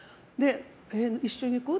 一緒に行こう？って。